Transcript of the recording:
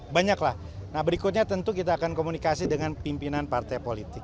banyak lah nah berikutnya tentu kita akan komunikasi dengan pimpinan partai politik